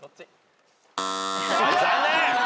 残念！